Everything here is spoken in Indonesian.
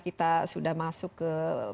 kita sudah masuk ke